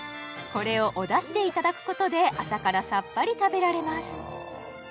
これをお出汁でいただくことで朝からサッパリ食べられます